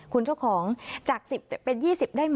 คุณเจ้าของจากสิบจะเป็นยี่สิบได้ไหม